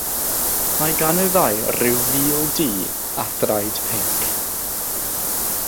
Mae gan y ddau ryw fil du a thraed pinc.